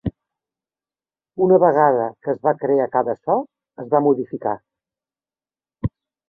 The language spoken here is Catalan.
Una vegada que es va crear cada so, es va modificar.